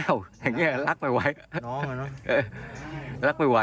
อย่างนี้รักไม่ไหว